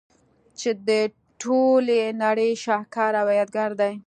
چي د ټولي نړۍ شهکار او يادګار دئ.